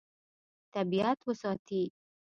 طبیعت وساتي.